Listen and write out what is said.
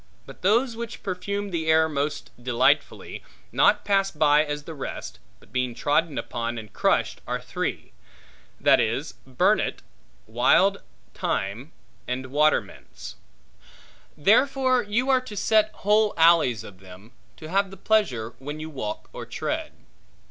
But those which perfume the air most delightfully, not passed by as the rest, but being trodden upon and crushed, are three; that is, burnet, wildthyme, and watermints. Therefore you are to set whole alleys of them, to have the pleasure when you walk or tread.